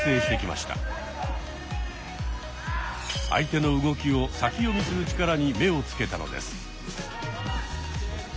相手の動きを先読みする力に目を付けたのです。